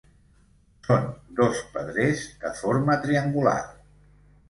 Són dos pedrers de forma triangular.